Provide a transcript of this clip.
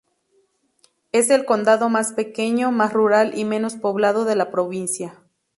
Es el condado más pequeño, más rural y menos poblado de la provincia.